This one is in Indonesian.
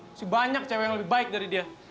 masih banyak cewek yang lebih baik dari dia